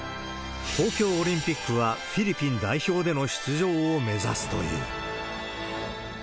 東京オリンピックはフィリピン代表での出場を目指すという。